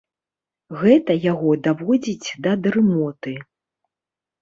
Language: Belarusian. Гэта яго даводзіць да дрымоты.